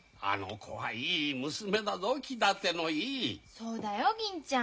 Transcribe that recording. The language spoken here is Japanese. そうだよ銀ちゃん。